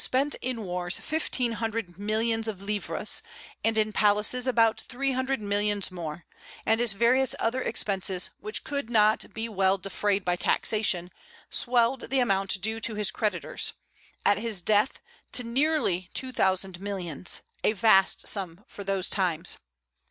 spent in wars fifteen hundred millions of livres, and in palaces about three hundred millions more; and his various other expenses, which could not be well defrayed by taxation, swelled the amount due to his creditors, at his death, to nearly two thousand millions, a vast sum for those times.